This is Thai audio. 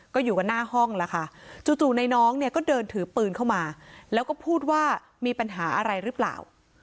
ก็อยู่กันหน้าห้องแล้วค่ะจู่ในน้องเนี่ยก็เดินถือปืนเข้ามาแล้วก็พูดว่ามีปัญหาอะไรหรือเปล่า